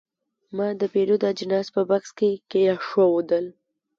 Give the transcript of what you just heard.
ما د پیرود اجناس په بکس کې کېښودل.